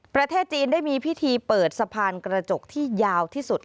ประเทศจีนได้มีพิธีเปิดสะพานกระจกที่ยาวที่สุด